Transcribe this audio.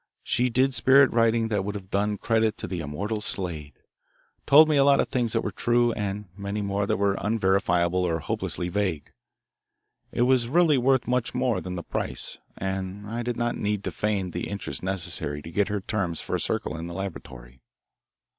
She did spirit writing that would have done credit to the immortal Slade, told me a lot of things that were true, and many more that were unverifiable or hopelessly vague. It was really worth much more than the price, and I did not need to feign the interest necessary to get her terms for a circle in the laboratory.